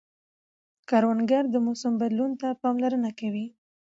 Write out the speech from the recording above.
کروندګر د موسم بدلون ته پاملرنه کوي